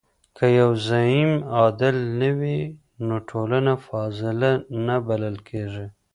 که يو زعيم عادل نه وي نو ټولنه فاضله نه بلل کيږي.